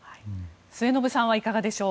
末延さんはいかがでしょう？